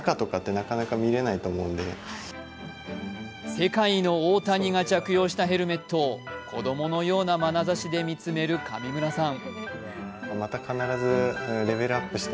世界の大谷が着用したヘルメットを子供のようなまなざしで見つめる上村さん。